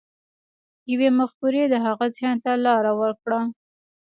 يوې مفکورې د هغه ذهن ته لار وکړه.